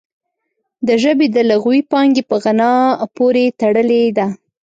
د ژبې د لغوي پانګې په غنا پورې تړلې ده